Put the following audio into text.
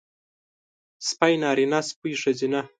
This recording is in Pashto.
سپی نارينه سپۍ ښځينۀ